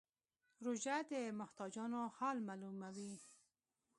روژه د محتاجانو حال معلوموي.